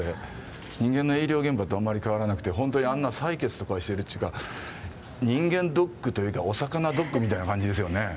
人間の医療現場とあんまり変わらなくて本当にあんな採血とかをしてるっていうか人間ドックというかお魚ドックみたいな感じですよね。